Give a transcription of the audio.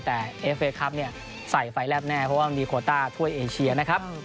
แต่เอฟเคครับเนี่ยใส่ไฟแลบแน่เพราะว่ามันมีโคต้าถ้วยเอเชียนะครับ